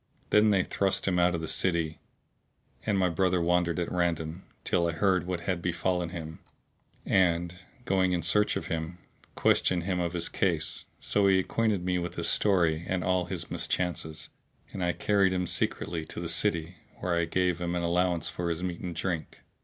Then they thrust him out of the city, and my brother wandered at random, till I heard what had befallen him; and, going in search of him, questioned him of his case; so he acquainted me with his story and all his mischances, and I carried him secretly to the city where I made him an allowance for his meat and drink.